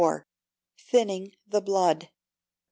Thinning the Blood.